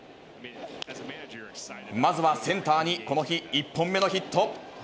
まずはセンターに、この日１本目のヒット。